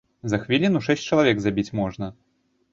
За хвіліну шэсць чалавек забіць можна.